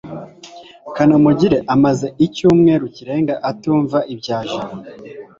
kanamugire amaze icyumweru kirenga atumva ibya jabo